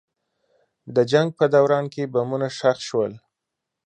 د جنګ په دوران کې بمونه ښخ شول.